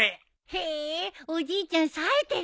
へえおじいちゃんさえてるね。